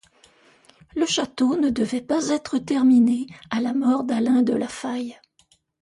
Le château ne devait pas être terminé à la mort d'Alain de La Faye.